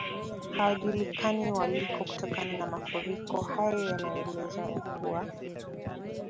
hawajulikani waliko kutokana na mafuriko hayo yanayoelezwa ya kuwa